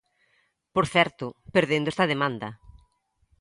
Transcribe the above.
Por certo, perdendo esta demanda.